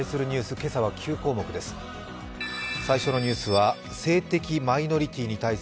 今朝は９項目です。